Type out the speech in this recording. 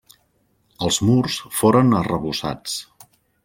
Els murs foren arrebossats.